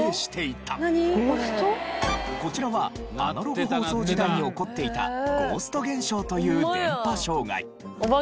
こちらはアナログ放送時代に起こっていたゴースト現象という電波障害。